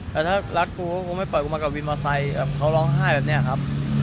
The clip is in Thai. แต่ถ้ารักกูก็ไม่ให้ปล่อยกูมากับวิมาไซค์เขาร้องไห้แบบนี้อย่างนี้ครับ